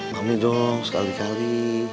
mami dong sekali kali